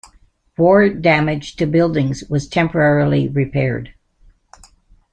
War damage to buildings was temporarily repaired.